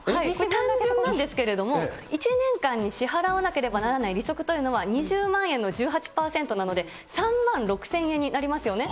単純なんですけれども、１年間に支払わなければならない利息というのは、２０万円の１８％なので３万６０００円になりますよね。